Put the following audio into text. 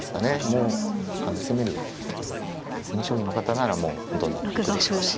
もう攻める攻め将棋の方ならもうどんどん行くでしょうし。